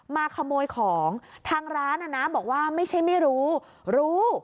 มาขโมยของทางร้านอ่ะนะบอกว่าไม่ใช่ไม่รู้รู้รู้